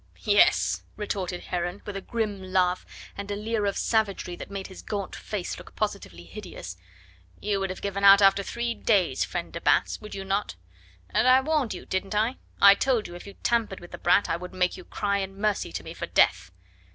"Yes!" retorted Heron with a grim laugh and a leer of savagery that made his gaunt face look positively hideous "you would have given out after three days, friend de Batz, would you not? And I warned you, didn't I? I told you if you tampered with the brat I would make you cry in mercy to me for death."